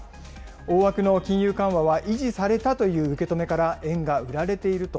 大枠の金融緩和は維持されたという受け止めから、円が売られていると。